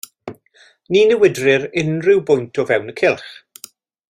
Ni newidir unrhyw bwynt o fewn y cylch.